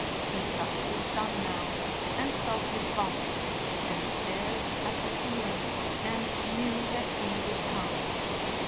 He sucked his thumb now, and felt his bump, and stared at the ceiling and knew that he would come.